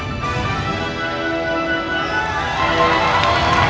บนพวงมาลัยพร้อยพวงใหญ่วางไว้บนพาน